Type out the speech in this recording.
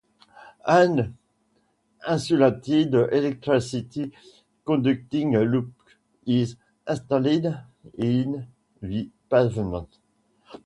An insulated, electrically conducting loop is installed in the pavement.